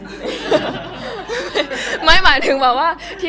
ส์ไม่หมายถึงแบบว่าที่